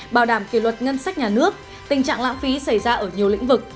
bảo đảm kỷ luật ngân sách nhà nước tình trạng lãng phí xảy ra ở nhiều lĩnh vực